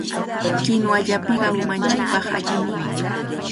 Kinuwa llapiqa umanchikpaq allimi.